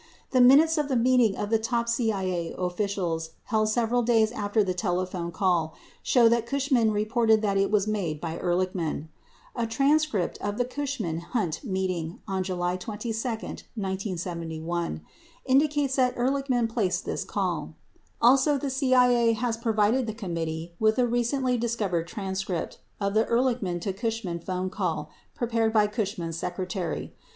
The minutes of a meeting of top CIA officials held several days after the telephone call show that Cushman reported that it was made by Ehrlichman. 91 A transcript of the Cush man Hunt meeting on July 22, 1971, indicates that Ehrl ichman placed this call. 92 Also, the CI A has provided the committee with a recently discovered transcript of the Ehrlichman to Cushman phone call pre pared by Cushman's secretary.